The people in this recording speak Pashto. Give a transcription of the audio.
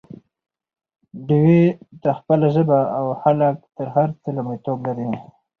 ډيوې ته خپله ژبه او خلک تر هر څه لومړيتوب لري